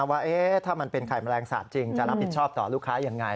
ว่าถ้ามันเป็นไข่แมลงสาดจริงจะรับผิดชอบต่อลูกค้ายังไง